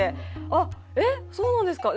「あっえっそうなんですか」。